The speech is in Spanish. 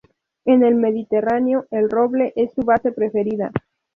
En el Mediterráneo, el roble es su base preferida.